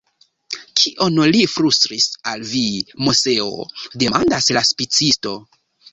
Kion li flustris al vi, Moseo? demandas la spicisto.